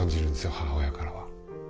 母親からは。